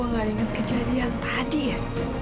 kenapa gue gak inget kejadian tadi ya